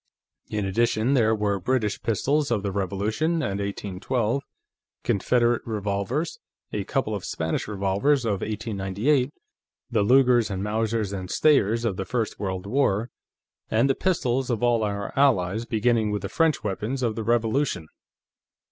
In addition, there were British pistols of the Revolution and 1812, Confederate revolvers, a couple of Spanish revolvers of 1898, the Lugers and Mausers and Steyers of the first World War, and the pistols of all our allies, beginning with the French weapons of the Revolution.